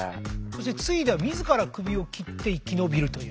次いでは自ら首を切って生き延びるという。